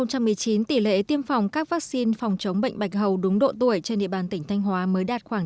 năm hai nghìn một mươi chín tỷ lệ tiêm phòng các vaccine phòng chống bệnh bạch hầu đúng độ tuổi trên địa bàn tỉnh thanh hóa mới đạt khoảng chín mươi